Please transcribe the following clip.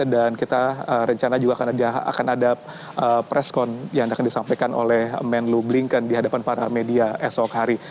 dan kita rencana juga akan ada presscon yang akan disampaikan oleh menlu blinken di hadapan para media esok hari